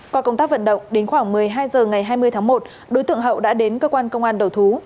qua công tác vận động đến khoảng một mươi hai h ngày hai mươi tháng một đối tượng hậu đã đến cơ quan công an đầu thú